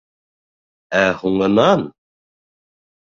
Ә һуңынан: